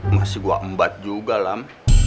masih gue mbat juga lam